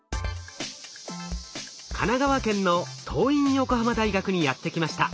神奈川県の桐蔭横浜大学にやって来ました。